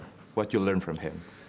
apa yang anda pelajari dari dia